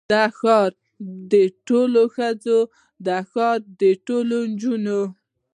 د ښار د ټولو ښځو، د ښار د ټولو نجونو